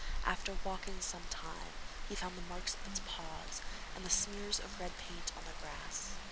After walking some time he found the marks of its paws, and smears of red paint on the grass.